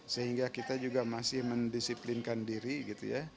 sehingga kita juga masih mendisiplinkan diri gitu ya